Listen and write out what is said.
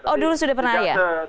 oh dulu sudah pernah ya